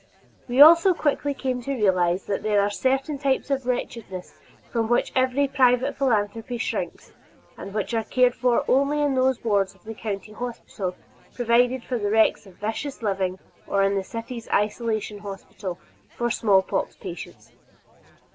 We also quickly came to realize that there are certain types of wretchedness from which every private philanthropy shrinks and which are cared for only in those wards of the county hospital provided for the wrecks of vicious living or in the city's isolation hospital for smallpox patients.